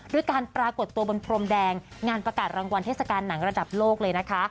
ด้วยการปรากฏตัวบนพรมแดงงานประกาศรางวัลเทศกาลหนังระดับโลกเลยนะคะ